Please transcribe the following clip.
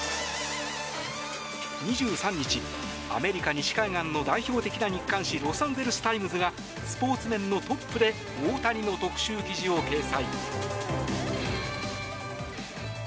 ２３日、アメリカ西海岸の代表的な日刊紙ロサンゼルス・タイムズがスポーツ面のトップで大谷の特集記事を掲載。